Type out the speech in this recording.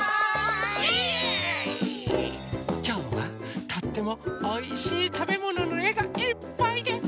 きょうはとってもおいしいたべもののえがいっぱいです！